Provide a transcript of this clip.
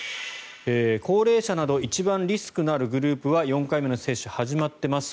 高齢者など一番リスクのあるグループは４回目の接種、始まっています。